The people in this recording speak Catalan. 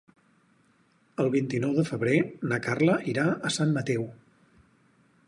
El vint-i-nou de febrer na Carla irà a Sant Mateu.